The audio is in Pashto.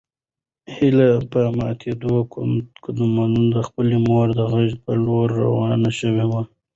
هیله په ماتو قدمونو د خپلې مور د غږ په لور روانه شوه.